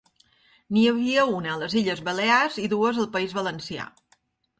N'hi havia una a les Illes Balears i dues al País Valencià.